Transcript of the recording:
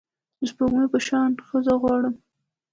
د سپوږمۍ په شان ښځه غواړم